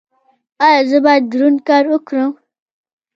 ایا زه باید دروند کار وکړم؟